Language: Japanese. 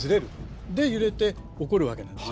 で揺れて起こるわけなんですよね。